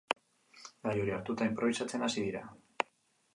Gai hori hartuta inprobisatzen hasi dira.